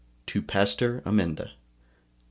TO PASTOR AMENDA. 1800.